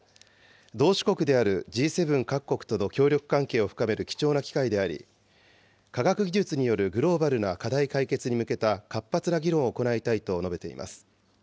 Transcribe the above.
同志国であるＧ７各国との協力関係を深める貴重な機会であり、科学技術によるグローバルな課題解決に向けた活発な議論を行いたいと述べています。